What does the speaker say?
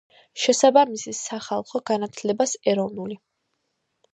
შესაბამის სახალხო განათლებას, ეროვნული